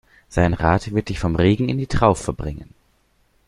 Sein Rat wird dich vom Regen in die Traufe bringen.